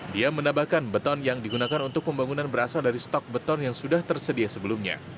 dia menambahkan beton yang digunakan untuk pembangunan berasal dari stok beton yang sudah tersedia sebelumnya